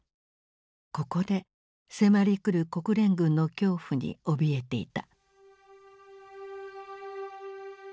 ここで迫りくる国連軍の恐怖に怯えていた。